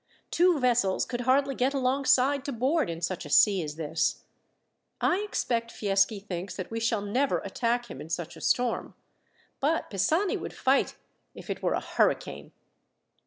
Two vessels could hardly get alongside to board in such a sea as this. I expect Fieschi thinks that we shall never attack him in such a storm; but Pisani would fight if it were a hurricane."